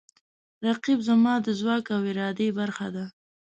رقیب زما د ځواک او ارادې برخه ده